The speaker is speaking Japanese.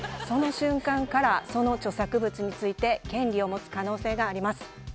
その瞬間からその著作物について権利を持つ可能性があります。